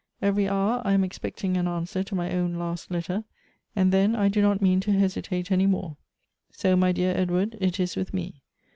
Every hour I am expecting an answer to my own last letter, and then I do not mean to hesitate any more. So, my dear Edward, it is with me.